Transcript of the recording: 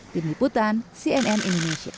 dini putan cnn indonesia